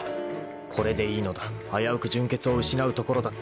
［これでいいのだ危うく純潔を失うところだった］